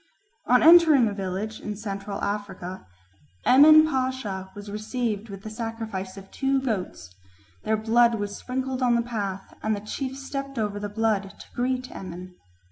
On entering a village in Central Africa Emin Pasha was received with the sacrifice of two goats; their blood was sprinkled on the path and the chief stepped over the blood to greet Emin.